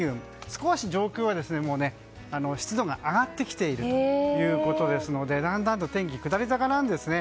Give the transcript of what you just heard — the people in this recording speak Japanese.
少し上空は湿度が上がってきているということですのでだんだんと天気は下り坂なんですね。